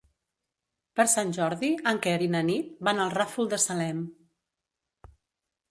Per Sant Jordi en Quer i na Nit van al Ràfol de Salem.